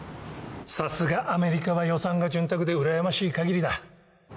さすがアメリカは予算が潤沢でうらやましい限りだ